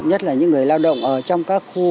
nhất là những người lao động ở trong các khu